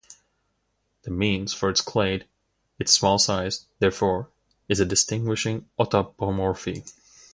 That means, for its clade, its small size therefore is a distinguishing autapomorphy.